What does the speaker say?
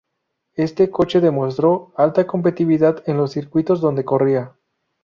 Este coche demostró alta competitividad en los circuitos donde corría.